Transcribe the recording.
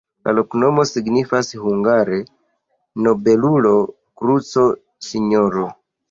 La loknomo signifas hungare: nobelulo-kruco-sinjoro.